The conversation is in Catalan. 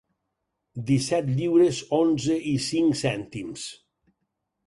Disset lliures onze i cinc cèntims.